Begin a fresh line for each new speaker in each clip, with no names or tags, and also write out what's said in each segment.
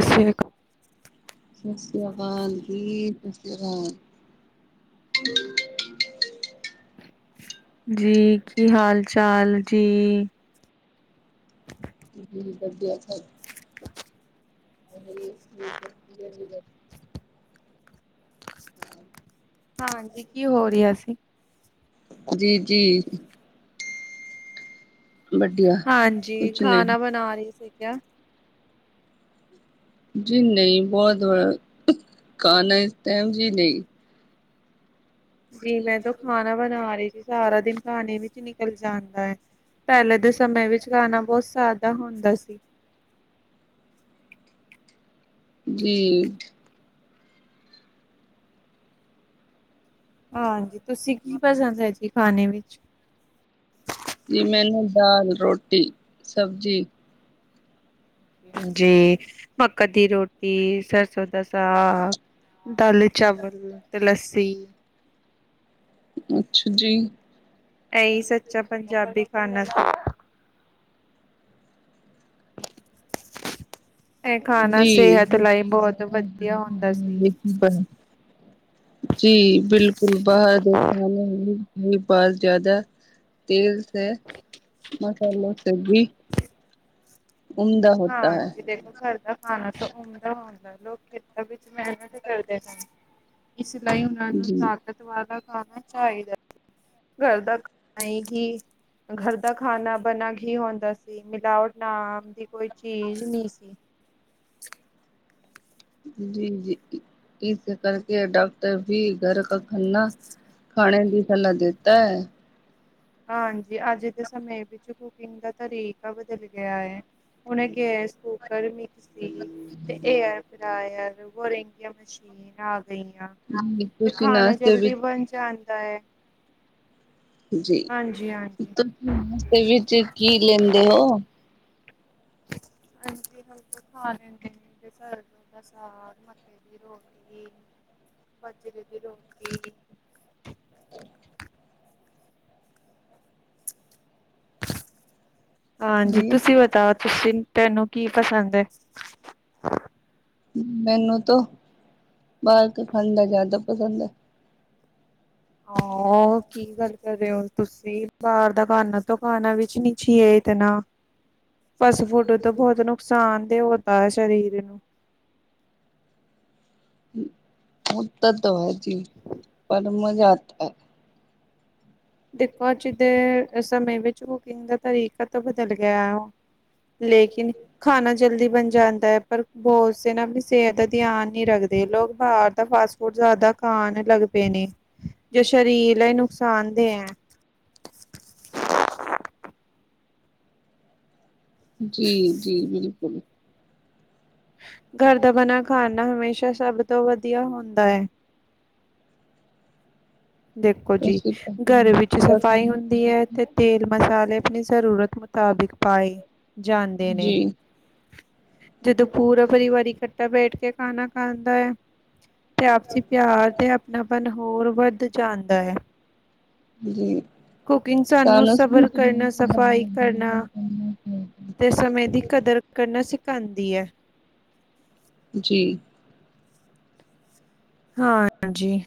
ਸਤਿ ਸ਼੍ਰੀ ਅਕਾ
ਸਤਿ ਸ੍ਰੀ ਅਕਾਲ ਜੀ, ਸਤਿ ਸ੍ਰੀ ਅਕਾਲ।
ਜੀ, ਕੀ ਹਾਲ-ਚਾਲ ਜੀ?
ਜੀ ਵਧੀਆ ਸਾ [unintelligible]
ਹਾਂਜੀ, ਕੀ ਹੋ ਰਿਹਾ ਸੀ?
ਜੀ-ਜੀ। ਵਧੀਆ
ਹਾਂਜੀ,
ਕੁਛ ਨਹੀਂ
ਖਾਣਾ ਬਣਾ ਰਹੀ ਸੀ ਕਿਆ? [inaudible]
ਜੀ ਨਹੀਂ, ਬਹੁਤ [unintelligible] ਖਾਣਾ ਇਸ ਟਾਈਮ ਜੀ ਨਹੀਂ।
ਜੀ ਮੈਂ ਤੋਂ ਖਾਣਾ ਬਣਾ ਰਹੀ ਸੀ, ਸਾਰਾ ਦਿਨ ਖਾਣੇ ਵਿੱਚ ਨਿਕਲ ਜਾੰਦਾ ਐ, ਪਹਿਲੇ ਦੇ ਸਮੇਂ ਵਿੱਚ ਖਾਣਾ ਬਹੁਤ ਸਾਦਾ ਹੁੰਦਾ ਸੀ।
ਜੀ।
ਹਾਂਜੀ, ਤੁਸੀਂ ਕੀ ਪਸੰਦ ਐ ਜੀ, ਖਾਣੇ ਵਿੱਚ?
ਜੀ ਮੈਨੂੰ, ਦਾਲ, ਰੋਟੀ, ਸਬਜ਼ੀ।
ਜੀ, ਮੱਕ ਦੀ ਰੋਟੀ, ਸਰਸੋ ਦਾ ਸਾਗ। ਦਾਲ-ਚਾਵਲ, ਤੇ ਲੱਸੀ।
ਅੱਛਾ ਜੀ।
ਏਈ ਸੱਚਾ ਪੰਜਾਬੀ ਖਾਨਾ ਇਹ ਖਾਣਾ
ਜੀ
ਸਿਹਤ ਲਈ
[unintelligible]
ਬਹੁਤ ਵਧੀਆ ਹੁੰਦਾ ਸੀ
ਜੀ ਬਿਲਕੁਲ, ਬਾਹਰ ਦੇ ਖਾਣੇ [unintelligible] ਜ਼ਿਆਦਾ ਤੇਲ ਤੇ ਮਸਾਲਾ ਸਹੀ
ਹਾਂਜੀ, ਦੇਖੋ ਘਰ ਦਾ ਖਾਣਾ ਤਾਂ ਹੁੰਦਾ-ਹੁੰਦਾ, ਲੋਕ ਖੇਤਾਂ ਵਿੱਚ ਮਿਹਨਤ ਕਰਦੇ ਨਾ ਇਸ ਲਈ ਉਹਨਾਂ ਨੂੰ ਤਾਕਤ ਵਾਲਾ ਖਾਣਾ ਚਾਈਦਾ। ਘਰ ਦਾ ਖਾਣਾ ਹੀ ਘਰ ਦਾ ਖਾਣਾ ਬਣਾ ਘੀ ਹੁੰਦਾ ਸੀ, ਮਿਲਾਵਟ ਨਾਮ ਦੀ ਕੋਈ ਚੀਜ਼ ਨਹੀਂ ਸੀ।
ਜੀ-ਜੀ, ਇਸੇ ਕਰਕੇ ਡਾਕਟਰ ਵੀ ਘਰ ਕਾ ਖਾ [inaudible] ਣਾ ਖਾਣੇ ਦੀ ਸਲਾਹ ਦੇਤਾ ਹੈ। [inaudible]
ਹਾਂਜੀ, ਅੱਜ ਦੇ ਸਮੇਂ ਵਿੱਚ ਕੁਕਿੰਗ ਦਾ ਤਰੀਕਾ ਬਦਲ ਗਿਆ ਏ। ਹੁਣ ਇਹ ਗੈਸ ਕੁੂਕਰ ਸੀ ਤੇ ਐਯਰਫਰਾਇਰ ਵਰਿੰਗੀਆਂ ਮਸ਼ੀਨ ਆ ਗਈਆਂ।
ਜੀ
ਤੇ
ਤੁਸੀਂ
ਖਾਣਾ
ਨਾਸ਼ਤੇ
ਜਲਦੀ
ਵਿੱਚ
ਬਣ ਜਾਂਦਾ ਐ।
ਜੀ
ਹਾਂਜੀ
ਤੁਸੀਂ [unintelligible] ਵਿੱਚ ਕੀ ਲੈਂਦੇ ਹੋ?
ਹਾਂਜੀ ਹਲੇ ਤੇ ਖਾ ਲੈਂਦੇ ਨੇ ਸਰੋ ਦਾ ਸਾਗ ਮਕੇ ਦੀ ਰੋਟੀ ਬਜਰੇ ਦੀ ਰੋਟੀ ਹਾਂਜੀ
ਜੀ
ਤੁਸੀਂ ਬਤਾਓ ਤੁਸੀਂ ਤੈਨੂੰ ਕੀ ਪਸੰਦ ਐ?
ਮੈਨੂੰ ਤੋ ਬਾਹਰ ਕਾ ਖਾਣਾ ਜ਼ਿਆਦਾ ਪਸੰਦ ਐ।
ਆਹ ਕੀ ਗੱਲ ਕਰ ਰਹੇ ਓ ਤੁਸੀਂ ਬਾਹਰ ਦਾ ਖਾਨਾ ਤੋਂ ਖਾਣਾ ਵੀ ਨਈ ਚਾਈਏ ਇਤਨਾ। ਫਾਸਟ ਫੂਡ ਤੋਂ ਬਹੁਤ ਨੁਕਸਾਨ ਤੇ ਹੋਂਤਾ ਹੈ ਸਰੀਰ ਨੂੰ।
ਹੋਤਾ ਤੋ ਹੈ ਜੀ ਪਰ ਮਜ਼ਾ ਆਤਾ ਐ।
ਦੇਖੋ ਅੱਜ ਦੇ ਸਮੇ ਵਿੱਚ ਕੁਕਿੰਗ ਦਾ ਤਰੀਕਾ ਤਾਂ ਬਦਲ ਗਿਆ ਹੈ ਲੇਕਿਨ ਖਾਣਾ ਜਲਦੀ ਬਣ ਜਾਂਦਾ ਐ ਪਰ ਬਹੁਤ ਸੇ ਨਾ ਸਿਹਤ ਦਾ ਧਿਆਨ ਨਹੀਂ ਰੱਖਦੇ ਲੋਕ ਬਾਹਰ ਦਾ ਫਾਸਟ ਹੋਰ ਜ਼ਿਆਦਾ ਖਾਣ ਲੱਗ ਪਏ ਨੇ ਜੋ ਸਰੀਰ ਲਈ ਨੁਕਸਾਨਦੇ ਹੈ।
ਜੀ ਜੀ ਬਿਲਕੁਲ।
ਘਰ ਦਾ ਬਣਾ ਖਾਣਾ ਹਮੇਸ਼ਾ ਸਭ ਤੋਂ ਵਧੀਆ ਹੁੰਦਾ ਐ। ਦੇਖੋ ਜੀ
ਤੁਸੀਂ
ਘਰ ਵਿੱਚ ਸਫ਼ਾਈ ਹੁੰਦੀ ਹੈ ਤੇ ਤੇਲ ਮਸਾਲੇ ਆਪਣੀ ਜ਼ਰੂਰਤ ਮੁਤਾਬਿਕ ਪਾਏ ਜਾਂਦੇ ਨੇ।
ਜੀ
ਜਦੋਂ ਪੂਰਾ ਪਰਿਵਾਰ ਇਕੱਠਾ ਬੈਠ ਕੇ ਖਾਣਾ ਖਾਂਦਾ ਐ ਤੇ ਆਪਸੀ ਪਿਆਰ ਤੇ ਆਪਣਾਪਨ ਹੋਰ ਵੱਧ ਜਾਂਦਾ ਐ।
ਜੀ।
ਸਬਰ ਕਰਨਾ, ਸਫਾਈ ਕਰਨਾ ਤੇ
[unintelligible]
ਸਮੇਂ ਦੀ ਕਦਰ ਕਰਨਾ ਸਿਖਾਉਂਦੀ ਐ।
ਜੀ।
ਹਾਂਜੀ।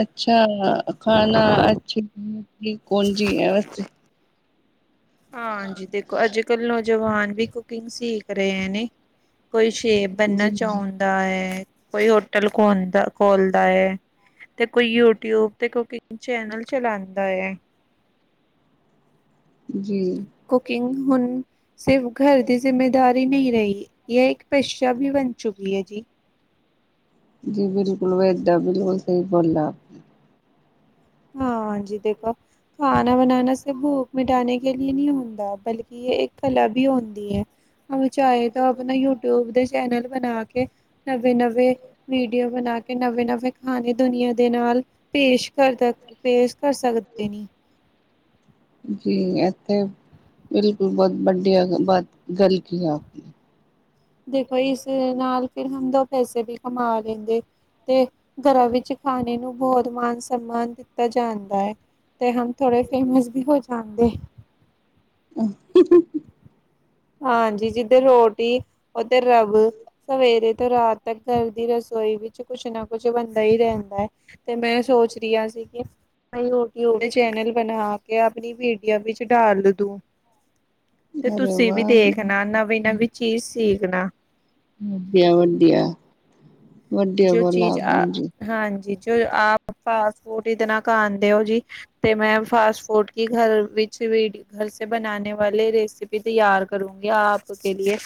ਅੱਛਾ ਹੈ ਖਾਲਾ ਅੱਛਾ [unintelligible]
ਹਾਂਜੀ ਦੇਖੋ ਅੱਜ ਕੱਲ ਨੌਜਵਾਨ ਵੀ ਕੁਕਿੰਗ ਸਿੱਖ ਰਹੇ ਨੇ ਕੋਈ ਸ਼ੈਫ ਬਣਨਾ ਚਾਹੁੰਦਾ ਐ ਕੋਈ ਹੋਟਲ ਖੋਲਦਾ ਖੋਲਦਾ ਐ। ਤੇ ਕੋਈ ਯੂਟਿਊਬ ਤੇ ਕੁਕਿੰਗ ਚੈਨਲ ਚਲਾਉਂਦਾ ਏ।
ਜੀ।
ਕੁਕਿੰਗ ਹੁਣ ਸਿਰਫ ਘਰ ਦੀ ਜ਼ਿੰਮੇਦਾਰੀ ਨਹੀਂ ਰਹੀ ਇਹ ਇੱਕ ਪੇਸ਼ਾ ਵੀ ਬਣ ਚੁੱਕੀ ਐ ਜੀ
ਜੀ ਬਿਲਕੁਲ ਵੈ ਬਿਲਕੁਲ ਸਈ ਗੱਲ ਐ
ਹਾਂਜੀ ਦੇਖੋ ਖਾਨਾ ਬਨਾਨਾ ਸਿਰਫ਼ ਭੂਖ ਮਿਟਾਾਨੇ ਕੇ ਲ ਨਹੀਂ ਹੁੰਦਾ ਬਲਕਿ ਇਹ ਇੱਕ ਕਲਾ ਵੀ ਹੁੰਦੀ ਏ ਚਾਹੇ ਤਾਂ ਆਪਣਾ ਯੂਟਿਊਬ ਦੇ ਚੈਨਲ ਬਣਾ ਕੇ ਨਵੇਂ ਨਵੇਂ ਵੀਡੀਓ ਬਣਾ ਕੇ ਨਵੇਂ ਨਵੇਂ ਖਾਣੇ ਦੁਨੀਆਂ ਦੇ ਨਾਲ ਪੇਸ਼ ਕਰਦਾ ਪੇਸ਼ ਕਰ ਸਕਦੇ ਨੀ
ਜੀ ਇੱਥੇ ਬਿਲਕੁਲ ਬਹੁਤ ਵੱਡੀਆਂ ਬਾਤ ਗੱਲ ਕੀ ਐ
ਦੇਖੋ ਇਸ ਨਾਲ ਫਿਰ ਹੂੰ ਦੋ ਪੈਸੇ ਵੀ ਕਮਾ ਲੈਂਦੇ ਤੇ ਘਰਾਂ ਵਿੱਚ ਖਾਣੇ ਨੂੰ ਬਹੁਤ ਮਾਨ ਸਨਮਾਨ ਦਿੱਤਾ ਜਾਂਦਾ ਐ ਤੇ ਹੁਣ ਥੋੜੇ ਫੇਮਸ ਵੀ ਹੋ ਹਾਂ ਦੇ
ਆਹ [unintelligible]
ਹਾਂਜੀ ਜਿੱਦਰ ਰੋਟੀ ਓਧਰ ਰੱਬ ਸਵੇਰੇ ਤੋਂ ਰਾਤ ਤੱਕ ਘਰ ਦੀ ਰਸੋਈ ਵਿੱਚ ਕੁਛ ਨਾ ਕੁਛ ਬਣਦਾ ਹੀ ਰੈਂਦਾ ਐ। ਤੇ ਮੈਂ ਸੋਚ ਰਹੀ ਆ ਸੀ ਕਿ ਮੈ ਯੂਟਿਊਬ ਚੈਨਲ ਬਣਾ ਕੇ ਆਪਣੀ ਵੀਡੀਓ ਵਿੱਚ ਡਾਲ ਦੂੰ ਤੇ
ਹੈਲੋ
ਤੁਸੀਂ ਵੀ ਦੇਖਣਾ ਨਵੀਂ-ਨਵੀਂ ਚੀਜ਼ ਸਿੱਖਣਾ
ਵਧੀਆ-ਵਧੀਆ।
ਜੋ ਚੀਜ਼ ਆ
ਜੀ
ਹਾਂਜੀ ਜੋ ਆਪ ਫਾਸਟ ਫੂਡ ਇਤਨਾ ਖਾਣਦੇ ਹੋ ਜੀ ਤੇ ਮੈਂ ਫਾਸਟ ਫੂਡ ਕੀ ਘਰ ਵਿੱਚ ਵੀਡੀਓ ਘਰ ਸੇ ਬਣਾਣੇ ਵਾਲੀ ਰੇਸਿਪੀ ਤਿਆਰ ਕਰੂੰਗੀ ਆਪ ਕੇ ਲਿਏ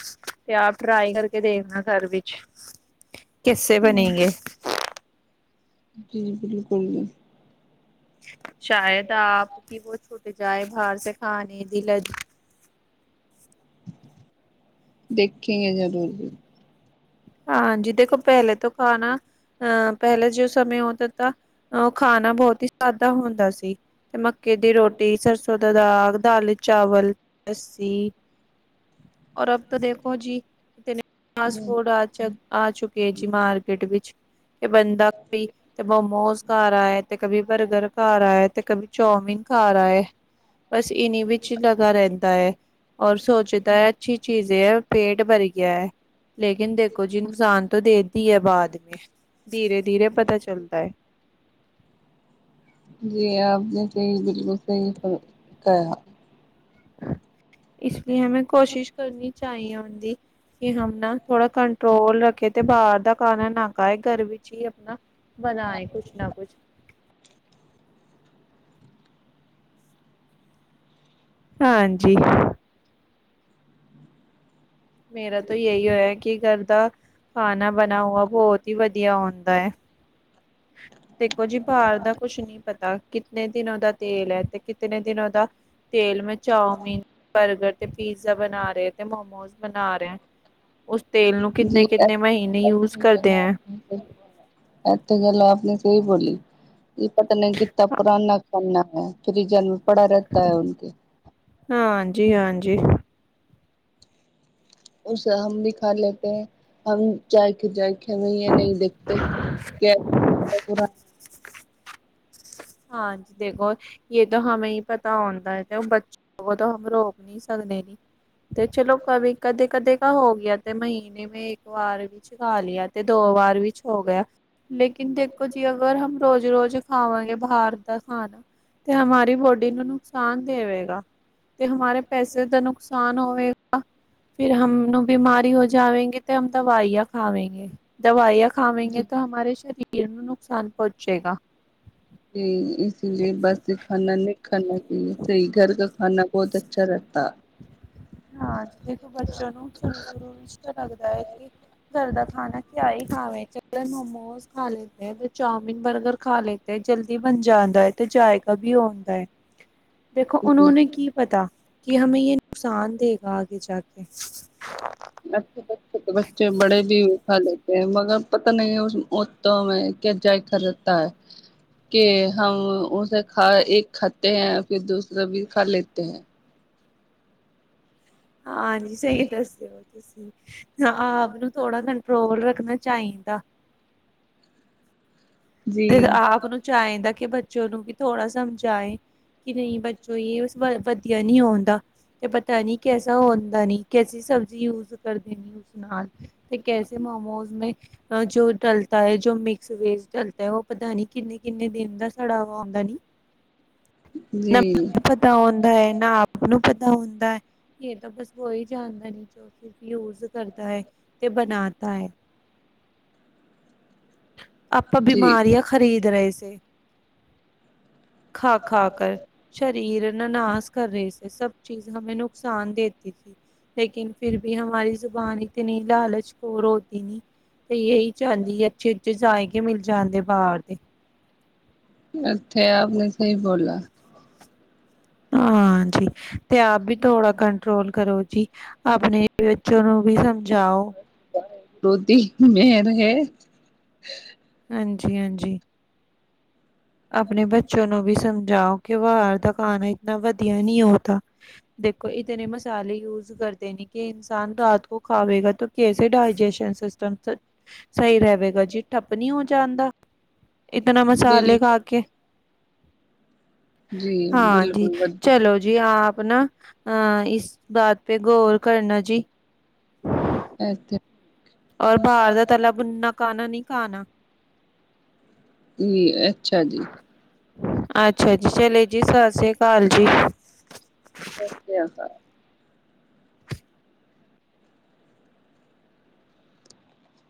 ਤੇ ਆਪ ਟਰਾਈ ਕਰਕੇ ਦੇਖਣਾ ਘਰ ਵਿਚ ਕਿਸੇ ਬਣੇਗੇ।
ਜੀ ਬਿਲਕੁਲ ਜੀ।
ਸ਼ਾਯਦ ਆਪ ਕਿ ਵੋ ਛੁੱਟ ਜਾਏ ਬਾਹਰ ਸੇ ਖਾਣੇ ਦੀ ਲੱਤ
ਦੇਖੇਗੇ ਜ਼ਰੂਰ ਵੀ
ਹਾਂਜੀ ਦੇਖੋ ਪੈਲੇ ਤੋਂ ਖਾਣਾ ਅਹ ਪੈਲੇ ਜੋ ਸਮੇਂ ਹੋਤੇ ਤਾਂ ਓ ਖਾਣਾ ਬਹੁਤ ਹੀ ਸਾਦਾ ਹੁੰਦਾ ਸੀ ਤੇ ਮੱਕੇ ਦੀ ਰੋਟੀ ਸਰਸੋ ਦੇ ਦਾਗ, ਦਾਲ-ਚਾਵਲ, ਲੱਸੀ ਔਰ ਅ ਤੋਂ ਦੇਖੋ ਜੀ [unintelligible] ਫਾਸਟ ਫੂਡ ਚ ਆ ਚੁੱਕੇ ਜੀ ਮਾਰਕੀਟ ਵਿਚ ਕਿ ਬੰਦਾ ਕੋਈ ਤੇ ਮੋਮੋਸ ਕਾਰ ਆਏ ਤੇ ਕਭੀ ਬਰਗਰ ਕਾਰ ਆਏ ਤੇ ਕਭੀ ਚਾਮੀਨ ਕਾਰ ਆਏ ਬਸ ਇਨੀ ਵਿੱਚ ਲਗਾ ਰੈਂਦਾ ਏ ਔਰ ਸੋਚਦਾ ਏ ਅੱਛੀ ਚੀਜ਼ ਏ ਆ ਪੇਟ ਭਰ ਗਿਆ ਐ ਲੇਕਿਨ ਦੇਖੋ ਜੀ ਨੁਕਸਾਨ ਤੋਂ ਦੇ ਦੀ ਏ ਬਾਅਦ ਮੈਂ ਧੀਰੇ-ਧੀਰੇ ਪਤਾ ਚੱਲਤਾ ਏ
ਜੀ ਆਪ ਨੇ ਸਈ ਬਿਲਕੁਲ ਸਈ ਕੈਆ
ਇਸ ਲਈ ਹਮੇਂ ਕੋਸ਼ਿਸ਼ ਕਰਨੀ ਚਾਹੀਏ ਹੁੰਦੀ ਕਿ ਹਮ ਨਾ ਥੋੜਾ ਕੰਟਰੋਲ ਰੱਖੇ ਤੇ ਬਾਰ ਦਾ ਖਾਣਾ ਨਾ ਖਾਏ ਕੱਰ ਵਿੱਚ ਈ ਅਪਣਾ ਬਣਾਏ ਕੁਛ ਨਾ ਕੁਛ ਹਾਂਜੀ। ਮੇਰਾ ਤੇ ਯੇਹ ਯੋ ਏ ਕਿ ਕੱਰ ਦਾ ਖਾਣਾ ਬਣਾ ਹੋਆ ਬੋਤ ਈ ਵਧੀਆ ਹੁੰਦਾ ਏ ਦੇਖੋ ਜੀ ਬਾਰ ਦਾ ਕੁਛ ਨੀ ਪਤਾ ਕਿਤਨੇ ਦਿਨ ਦਾ ਤੇਲ ਐ ਤੇ ਕਿਤਨੇ ਦਿਨ ਤੇਲ ਮੇ ਚਾਊਮਨ, ਬਰਗਰ ਤੇ ਪੀਜ਼ਾ ਬਣਾ ਰਹੇ ਥੇ ਮੋਮੋ ਬਣਾ ਰੈ ਉਸ ਤੇਲ ਨੂੰ ਕਿੰਨੇ-ਕਿੰਨੇ ਮਹੀਨੇ ਯੂਜ ਕਰਤੇ ਹੈਂ।
ਐਥੇ ਗੱਲ ਆਪਣੀ ਸਹੀ ਬੋਲੀ ਪਤਾ ਨੀ ਕਿਤਨਾ ਪੁਾਨਣਾ ਖਾਨਾ ਹੈ ਫਰੀਜਰ ਮੇਂ ਪੜਾ ਰੈਤਾ ਹੈ ਕੇ
ਹਾਂਜੀ-ਹਾਂਜੀ।
ਉਸੇ ਹਮ ਵੀ ਖਾ ਲਤੇ ਹੈ ਹਮ ਜਾਏ ਕੇ ਜਾ ਕੇ ਹੈ ਨਈ ਦੇਖਤੇ
ਹਾਂਜੀ ਦੇਖੋ ਯੇ ਤੋ ਹਮੇ ਈ ਪਤਾ ਹੁੰਦਾ ਐ ਤੇ ਬੱਚੇ ਤੋਂ ਹਮ ਰੋਕ ਨੀ ਸਕਦੇ ਨੇ ਤੇ ਚਲੋ ਕਵ ਕਦੇ-ਕਦੇ ਹੋ ਗਿਆ ਤੇ ਮਹੀਨੇ ਮੈਂ ਏਕ ਵਾਰ ਵਿੱਚ ਖਾ ਲਿਆ ਤੇ ਦੋ ਵਾਰ ਵਿੱਚ ਹੋ ਗਿਆ। ਲੇਕਿਨ ਦੇਖੋ ਜੀ ਅਗਰ ਹਮ ਰੋਜ਼-ਰੋਜ਼ ਖਾਵਾਂਗੇ ਬਾਰ ਦਾ ਖਾਣਾ ਤੇ ਹਮਾਰੀ ਬੋਡੀ ਨੂੰ ਨੁਕਸਾਨ ਦੇਵੇਗਾ। ਤੇ ਹਮਾਰੇ ਪੈਸੇ ਦਾ ਨੁਕਸਾਨ ਹੋਵੇਗਾ। ਫਿਰ ਹਮ ਨੂੰ ਬਿਮਾਰੀ ਹੋ ਜਾਵੇਗੀ ਤੇ ਹੋਮ ਦਵਾਈਆਂ ਖਾਵੇਂਗੇ ਦਵਾਈਆਂ ਖਾਵੇਗੇ ਤਾਂ ਹਮਾਰੇ ਸਰੀਰ ਨੂੰ ਨੁਕਸਾਨ ਪਹੁੰਚੇਗਾ।
ਤੇ ਇਸ ਲਈ ਬਸ ਏ ਖਾਨਣਾ ਨੀ ਖਾਣਾ ਚਾਈਏ ਸਈ ਕੱਰ ਕਾ ਖਾਨਾ ਬਹੁਤ ਅੱਛਾ [unintelligible]
[unintelligible] ਘਰ ਦਾ ਖਾਣਾ ਕਿਆ ਹੀ ਖਾਵੇ [unintelligible] ਚਾਮਿਨ ਬਰਗਰ ਖਾ ਲਤੇ ਜਲਦੀ ਬਣ ਜਾਂਦਾ ਹੈ ਤੇ ਜਾਇਕਾ ਵੀ ਆਉਂਦਾ ਹੈ [inaudible] ਦੇਖੋ ਉਹੋ ਨੇ ਕੀ ਪਤਾ ਕਿ ਹਮੇ ਇਹ ਨੁਕਸਾਨ ਦੇਗਾ ਆਗੇ ਜਾ ਕੇ
[unintelligible] ਮਗਰ ਪਤਾ ਨਹੀਂ ਉਸ ਉਤੋਂ [unintelligible] ਕੇ ਹਮ ਉਸੇ ਖਾ ਇੱਕ ਖਾਤੇ ਹੈ ਫਿਰ ਦੂਸਰਾ ਵੀ ਖਾ ਲੇਤੇ ਹੈ
ਹਾਂਜੀ ਸਹੀ ਦੱਸਿਓ ਤੁਸੀਂ ਆਪ ਨੂੰ ਥੋੜ੍ਹਾ ਕੰਟਰੋਲ ਰੱਖਣਾ ਚਾਹੀਦਾ ਦਾ ਤੇ ਆਪ ਨੂੰ ਚਾਹੀਦਾ ਕਿ ਬੱਚੇ ਨੂੰ ਵੀ ਥੋੜ੍ਹਾ ਸਮਝਾਏ ਕਿ ਨਹੀਂ [unintelligible] ਤੇ ਪਤਾ ਨੀ ਕੈਸਾ ਹੁੰਦਾ ਨੀ [unintelligible] [unintelligible] ਕੈਸੇ ਮੋਮੋਸ ਜੋ ਡਲਤਾ ਹੈ ਜੋ ਮਿਕਸ ਵੇਜ ਡ ਉਹ ਪਤਾ ਨੀ ਕਿੰਨੇ ਕਿੰਨੇ ਦਿਨ ਦਾ ਸੜਾ [unintelligible]
ਜੀ
ਨਾ ਪਤਾ ਹੁੰਦਾ ਹੈ ਨਾ ਆਪ ਨੂੰ ਪਤਾ ਹੁੰਦਾ ਇਹ [unintelligible] ਸਿਰਫ ਯੂਜ ਕਰਦਾ ਹੈ ਤੇ ਬਣਾਦਾ ਹੈ ਆਪਾਂ ਬਿਮਾਰੀਆਂ ਖਰੀਦ ਰਹੇ ਸੀ ਖਾ ਖਾ ਕਰ ਸ਼ਰੀਰ ਨਾਸ ਕਰ ਰਹੇ ਸੀੇ ਸਭ ਚੀਜ਼ ਹਮੇ ਨੁਕਸਾਨ ਦੇਤੀ ਸੀ ਲੇਕਿਨ ਫਿਰ ਵੀ ਹਮਾਰੀ ਜ਼ੁਬਾਨ ਇਤਨੀ ਲਾਲਚ [unintelligible] ਤ [unintelligible]
ਇੱਥੇ ਆਪ ਨੇ ਸਹੀ ਬੋਲਾ
ਹਾਂ ਜੀ ਤੇ ਆਪ ਵੀ ਥੋੜਾ ਕੰਟਰੋਲ ਕਰੋ ਜੀ ਆਪਣੇ ਬੱਚਿਆਂ ਨੂੰ ਵੀ ਸਮਝਾਓ
[unintelligible]
ਹਾਂਜੀ ਹਾਂਜੀ ਆਪਣੇ ਬੱਚੋਂ ਨੂੰ ਵੀ ਸਮਝਾਓ ਕਿ ਬਾਰ ਦਾ ਖਾਣਾ ਇਤਨਾ ਵਧੀਆ ਨਹੀਂ ਹੋ ਤਾਂ ਦੇਖੋ ਇਤਨੇ ਮਸਾਲੇ ਯੂਜ ਕਰਦੇ ਨੇ ਕਿ ਇਨਸਾਨ ਰਾਤ ਕੋ ਖਾਵੇਗਾ ਤਾਂ ਕੈਸੇ ਡਾਇਜੇਸ਼ਨ ਸਿਸਟਮ ਸਹੀ ਰਹੇਗਾ ਜੀ ਠੱਪ ਨਹੀਂ ਹੋ ਜਾਂਣਦਾ ਇਤਨਾ ਮਸਾਲੇ ਖਾ ਕੇ ਹਾਂਜੀ ਚਲੋ ਜੀ ਆਪ ਨਾ ਹਾ ਇਸ ਬਾਤ ਪੇ ਗੌਰ ਕਰਨਾ ਜੀ [inaudible]
ਅੱਛਾ
ਔਰ ਬਾਹਰ ਦਾ ਤਾਲਾ ਬੁਨਾ ਖਾਣਾ ਨਹੀਂ ਖਾਣਾ
ਜੀ ਅੱਛਾ ਜੀ
ਅੱਛਾ ਜੀ ਚਲੇ ਜੀ ਸਤਿ ਸ੍ਰੀ ਅਕਾਲ ਜੀ
ਸਤਿ ਸ੍ਰੀ ਕਾਲ